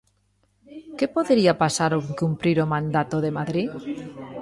Que podería pasar ao incumprir o mandato de Madrid?